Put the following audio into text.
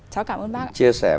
cháu cảm ơn bác ạ